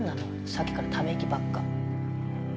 さっきからため息ばっか。